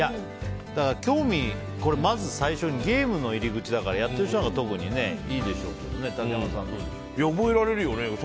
興味、まず最初にゲームの入り口だからやってる人なんか特にいいでしょうけどね覚えられるよね。